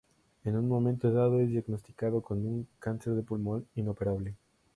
En un momento dado, es diagnosticado con un cáncer de pulmón inoperable.